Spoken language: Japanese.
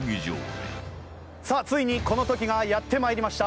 さあついにこの時がやってまいりました。